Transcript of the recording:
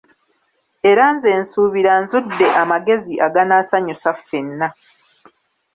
Era nze nsuubira nzudde amagezi aganaasanyusa fenna.